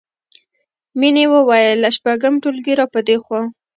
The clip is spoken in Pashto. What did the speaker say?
مینې وویل له شپږم ټولګي راپدېخوا